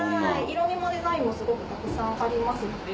色みもデザインもすごくたくさんありますので。